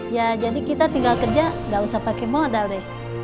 ya jadi kita tinggal kerja nggak usah pakai modal deh